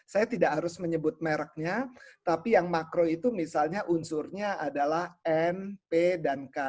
saya tidak harus menyebut mereknya tapi yang makro itu misalnya unsurnya adalah n p dan k